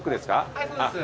はいそうです。